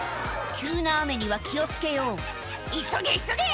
急な雨には気を付けよう「急げ急げ！」